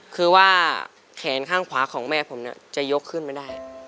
คือว่าแขนข้างขวาของแม่ผมจะยกขึ้นมาได้